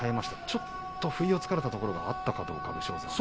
ちょっと不意を突かれたところがあったかもしれません。